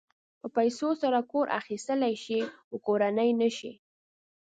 په پیسو سره کور اخيستلی شې خو کورنۍ نه شې.